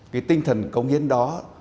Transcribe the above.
cái tinh thần cống hiến đó